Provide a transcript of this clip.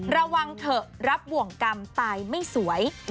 ระวังเถอะรับบ่วงกรรมตายไม่สวย